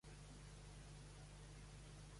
Aquest mat